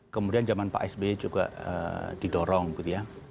kemudian zaman pak sby juga didorong gitu ya